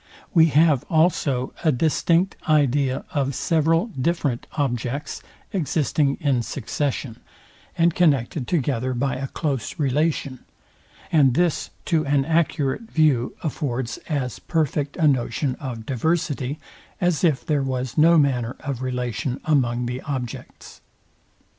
We have also a distinct idea of several different objects existing in succession, and connected together by a close relation; and this to an accurate view affords as perfect a notion of diversity, as if there was no manner of relation among the objects.